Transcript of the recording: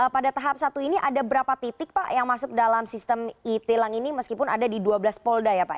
pada tahap satu ini ada berapa titik pak yang masuk dalam sistem e tilang ini meskipun ada di dua belas polda ya pak